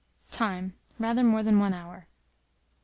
Time. rather more than 1 hour.